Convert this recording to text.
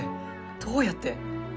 どうやって？